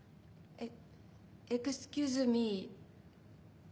えっ？